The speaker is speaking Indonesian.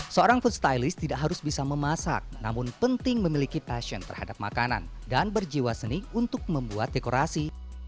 seorang food stylist tidak harus bisa memasak namun penting memiliki passion terhadap makanan dan berjiwa seni untuk membuat dekorasi